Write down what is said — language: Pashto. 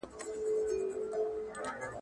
ایا د ټولنیزو رسنیو له لارې ادب خپرېږي؟